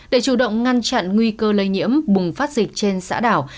để chủ động ngăn chặn nguy cơ lây nhiễm bùng phát dịch trên xã đảo